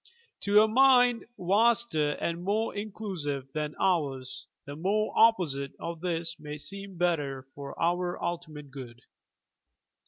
To a mind vaster and more inclusive than ours the very opposite of this may seem better for our ultimate good.